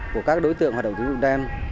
của các đối tượng hoạt động tín dụng đen